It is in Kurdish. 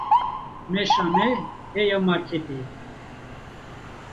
Meşa me heya marketê ye.